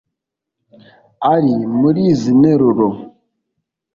ari muri izi nteruro